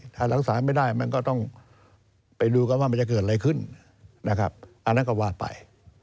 ถ้ารักษาไม่ได้มันก็ต้องไปดูกันว่ามันจะเกิดอะไรขึ้นนะครับอันนั้นก็ว่าไป